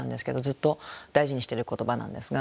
ずっと大事にしてる言葉なんですが。